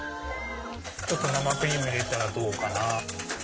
ちょっと生クリーム入れたらどうかな。